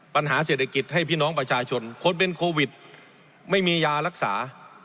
ปัญหาเศรษฐกิจให้พี่น้องประชาชนคนเป็นโควิดไม่มียารักษา